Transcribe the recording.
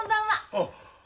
あっ。